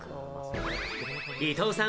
伊藤さん